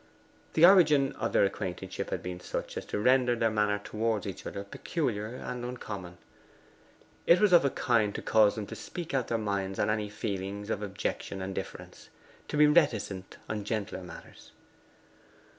The origin of their acquaintanceship had been such as to render their manner towards each other peculiar and uncommon. It was of a kind to cause them to speak out their minds on any feelings of objection and difference: to be reticent on gentler matters.